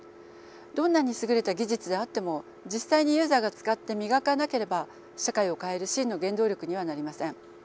どんなに優れた技術であっても実際にユーザーが使って磨かなければ社会を変える真の原動力にはなりません。